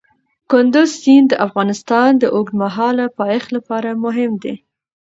کندز سیند د افغانستان د اوږدمهاله پایښت لپاره مهم دی.